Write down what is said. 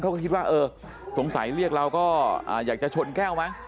เขาก็คิดว่าเออสงสัยเรียกเราก็อยากจะชนแก้วไหม